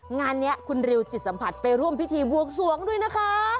งานนี้คุณริวจิตสัมผัสไปร่วมพิธีบวงสวงด้วยนะคะ